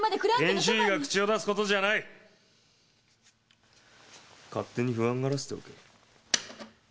「研修医が口を出すことじゃない」「勝手に不安がらせておけ」